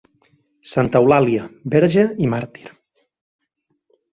Santa Eulàlia, verge i màrtir.